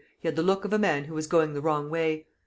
He had the look of a man who was going the wrong way.